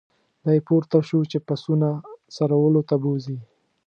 دی پورته شو چې پسونه څرولو ته بوزي.